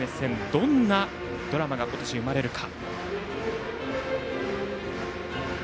どんなドラマが今年生まれるか。